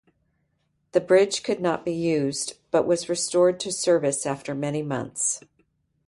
The bridge could not be used but was restored to service after many months.